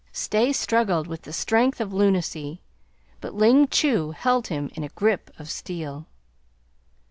Stay struggled with the strength of lunacy, but Ling Chu held him in a grip of steel.